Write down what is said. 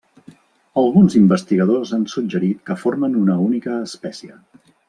Alguns investigadors han suggerit que formen una única espècie.